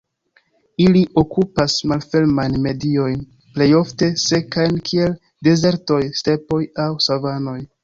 Ili okupas malfermajn mediojn plej ofte sekajn, kiel dezertoj, stepoj aŭ savanoj.